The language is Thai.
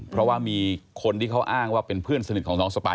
เพราะว่ามีคนที่เขาอ้างว่าเป็นเพื่อนสนิทของน้องสปาย